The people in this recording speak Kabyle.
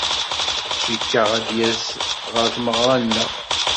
Cikkeɣ ad d-yas ɣer tmeɣra-nneɣ.